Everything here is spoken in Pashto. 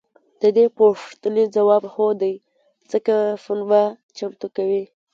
د دې پوښتنې ځواب هو دی ځکه پنبه چمتو شوې.